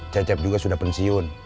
cecep juga sudah pensiun